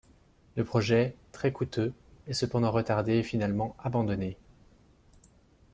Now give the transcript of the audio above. Le projet, très coûteux, est cependant retardé et finalement abandonné.